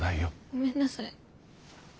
ごめんなさい。